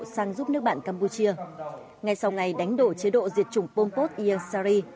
sang giúp nước bạn campuchia ngay sau ngày đánh đổ chế độ diệt chủng pompos iansari